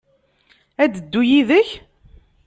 Ad d-teddu yid-k?